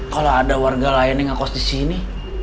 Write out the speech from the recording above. kalau ada warga lain yang ngakos di sini